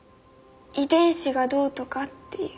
遺伝子がどうとかっていう。